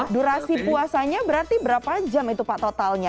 durasi puasanya berarti berapa jam itu pak totalnya